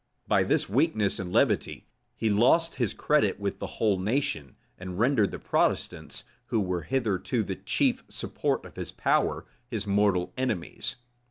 By this weakness and levity, he lost his credit with the whole nation, and rendered the Protestants, who were hitherto the chief support of his power, his mortal enemies.